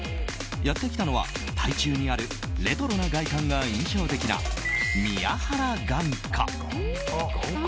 やってきたのは台中にあるレトロな外観が印象的な宮原眼科。